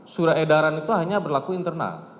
surat edaran itu hanya berlaku internal